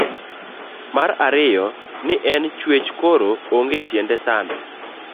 Mar ariyo en ni en chwech koro onge tiende sando